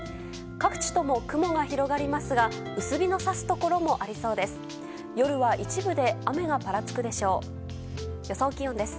各地とも雲が広がりますが薄日の差すところもありそうです。